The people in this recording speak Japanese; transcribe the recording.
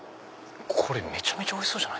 これめちゃめちゃおいしそう。